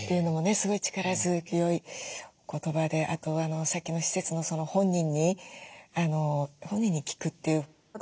すごい力強い言葉であとさっきの施設の本人に聴くっていう私